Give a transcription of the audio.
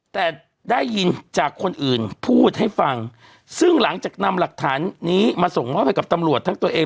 แต่ได้ยินจากคนอื่นพูดให้ฟังซึ่งหลังจากนำหลักฐานนี้มาส่งมอบให้กับตำรวจทั้งตัวเอง